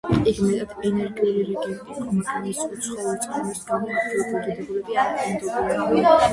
იგი მეტად ენერგიული რეგენტი იყო, მაგრამ მისი უცხოური წარმომავლობის გამო, ადგილობრივი დიდებულები არ ენდობოდნენ.